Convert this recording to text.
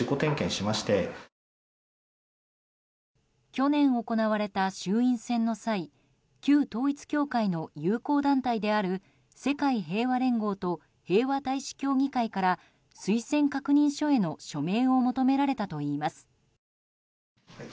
去年行われた衆院選の際旧統一教会の友好団体である世界平和連合と平和大使協議会から推薦確認書への署名を求められたといいます。